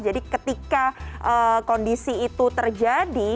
jadi ketika kondisi itu terjadi